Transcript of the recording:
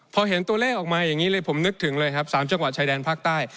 พอเห็นตัวเลขออกมาอย่างนี้เลยผมนึกถึงเลยครับ๓จังหวัดชายแดนภาคใต้